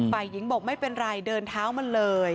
ฝ่ายหญิงบอกไม่เป็นไรเดินเท้ามาเลย